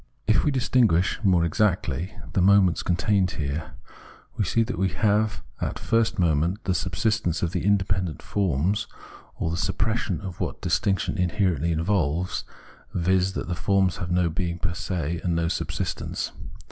If we distinguish more exactly the moments con tained here, we see that we have as first moment the subsistence of the independent forms, or the suppression of what distinction inherently involves, viz. that the forms have no being per se, and no subsistence.